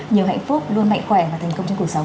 nhiều hạnh phúc luôn mạnh khỏe và thành công trong cuộc sống